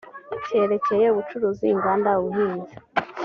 cyerekeye ubucuruzi inganda ubuhinzi